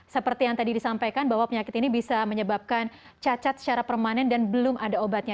seperti yang tadi disampaikan bahwa penyakit ini bisa menyebabkan cacat secara permanen dan belum ada obatnya